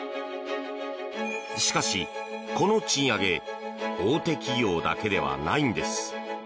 しかし、この賃上げ大手企業だけではないんです。